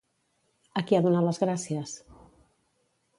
A qui ha donat les gràcies?